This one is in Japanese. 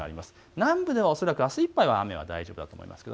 南部ではあすいっぱいは雨は大丈夫だと思います。